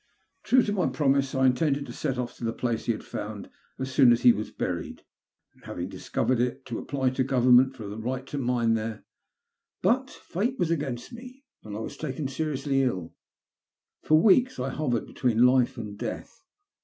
True to my promise, I intended to set off to the place he had found as soon as he was buried, and having discovered it, to apply to Government for right to mine there, but fate was against me, and I was taken seriously ill. For weeks I hovered between life and death.